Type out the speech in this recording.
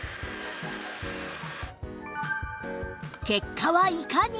結果はいかに？